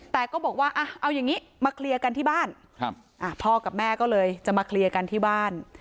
แต่ก็บอกว่าเอาอย่างนี้มาเคลียร์กันที่บ้านพ่อกับแม่ก็เลยจะมาเคลียร์กันที่บ้าน